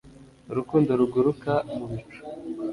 Urukundo ruguruka mu bicu